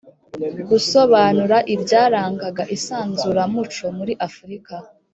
gusobanura ibyarangaga isanzuramuco muri Afurika